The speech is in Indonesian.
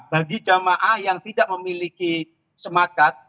bagi jemaah yang tidak memiliki smart card